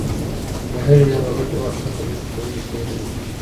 د هري ناروغۍ پر وخت ښه خدمت کوونکې ده